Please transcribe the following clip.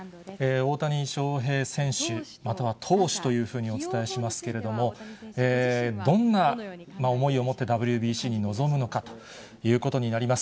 大谷翔平選手、または投手というふうにお伝えしますけれども、どんな思いをもってＷＢＣに臨むのかということになります。